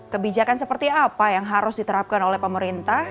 kebijakan seperti apa yang harus diterapkan oleh pemerintah